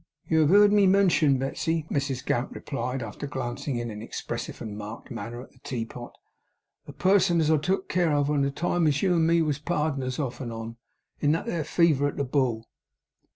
'You have heerd me mention, Betsey,' Mrs Gamp replied, after glancing in an expressive and marked manner at the tea pot, 'a person as I took care on at the time as you and me was pardners off and on, in that there fever at the Bull?